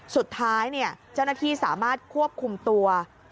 สุดท้ายเจ้าหน้าที่สามารถควบคุมตัว